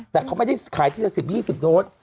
แต่เขาไม่ได้ขายทีละ๑๐๒๐โดส